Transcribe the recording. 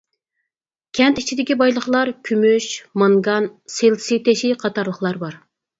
كەنت ئىچىدىكى بايلىقلار كۈمۈش، مانگان، سىلىتسىي تېشى قاتارلىقلار بار.